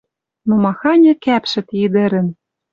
Но маханьы кӓпшӹ ти ӹдӹрӹн...